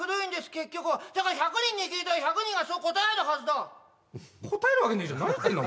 結局はだから１００人に聞いたら１００人がそう答えるはずだ答えるわけねえじゃん何言ってんだ